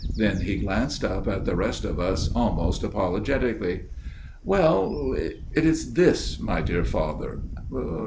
Then he glanced up at the rest of us almost apologetically. " Well, it is this, my dear Father.